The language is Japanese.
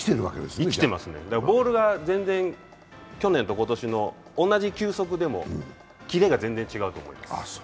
生きてますね、ボールが去年と今年の同じ球速でも、キレが全然違うと思います。